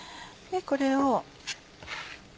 これを。